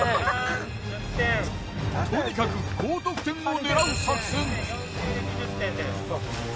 とにかく高得点を狙う作戦。